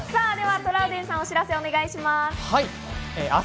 トラウデンさん、お知らせをお願いします。